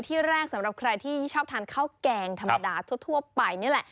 ที่แรกสำหรับใครที่ชอบทานข้าวแกงธรรมดาทั่วไปนี่แหละ